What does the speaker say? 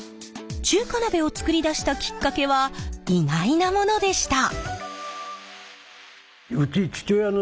中華鍋を作り出したきっかけは意外なものでした。